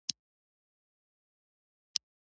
اوږده غرونه د افغانستان د جغرافیایي موقیعت پایله ده.